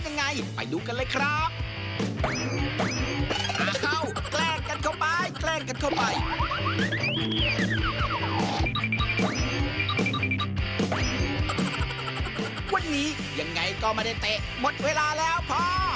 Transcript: วันนี้ยังไงก็ไม่ได้เตะหมดเวลาแล้วพ่อ